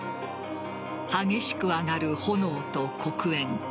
激しく上がる炎と黒煙。